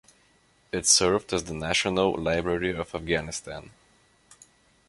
It served as the National Library of Afghanistan.